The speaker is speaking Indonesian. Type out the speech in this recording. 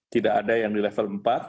tidak ada yang di level empat